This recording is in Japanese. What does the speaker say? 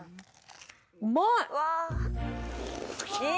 うまい！